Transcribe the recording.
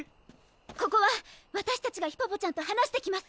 ここはわたしたちがヒポポちゃんと話してきます！